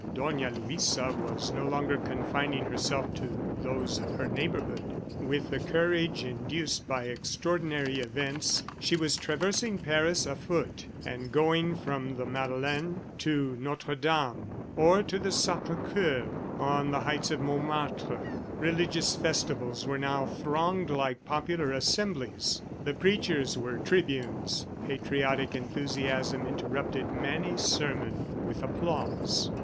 Dona Luisa was no longer confining herself to those of her neighborhood. With the courage induced by extraordinary events, she was traversing Paris afoot and going from the Madeleine to Notre Dame, or to the Sacre Coeur on the heights of Montmartre. Religious festivals were now thronged like popular assemblies. The preachers were tribunes. Patriotic enthusiasm interrupted many sermon with applause.